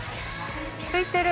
空いてる。